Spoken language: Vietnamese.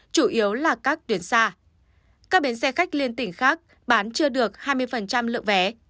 chủ yếu là các tuyến xa các bến xe khách liên tỉnh khác bán chưa được hai mươi lượng vé